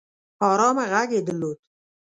ارامه غږ يې درلود